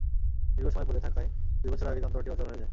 দীর্ঘ সময় পড়ে থাকায় দুই বছর আগে যন্ত্রটি অচল হয়ে যায়।